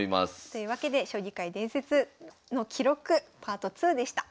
というわけで「将棋界伝説の記録Ｐａｒｔ２」でした。